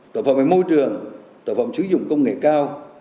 tội phạm về môi trường tội phạm sử dụng công nghệ cao